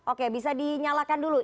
oke bisa dinyalakan dulu